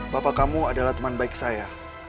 bapak kamu adalah teman baik saya